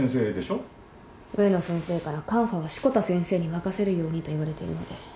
植野先生からカンファは志子田先生に任せるようにと言われているので。